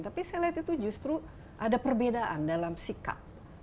tapi saya lihat itu justru ada perbedaan dalam sikap